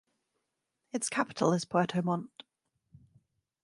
Its capital is Puerto Montt.